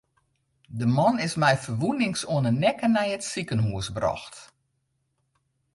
De man is mei ferwûnings oan de nekke nei it sikehûs brocht.